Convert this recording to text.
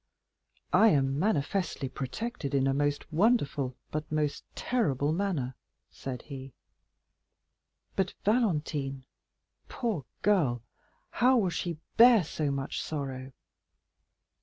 "I am manifestly protected in a most wonderful, but most terrible manner," said he; "but Valentine, poor girl, how will she bear so much sorrow?"